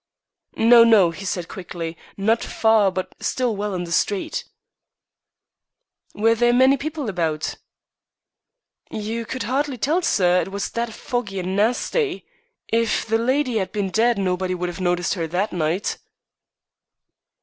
"No, no," he said quickly, "not far, but still well in the street." "Were there many people about?" "You could 'ardly tell, sir; it was that foggy and nasty. If the lydy 'ad bin dead nobody would 'ave noticed 'er that night."